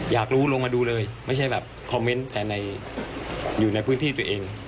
อยากรู้ลงมาดูเลยไม่ใช่แบบคอมเมนต์แต่อยู่ในพื้นที่ตัวเอง